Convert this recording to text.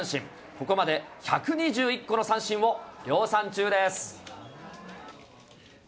ここまで１２１個の三振を量産中です。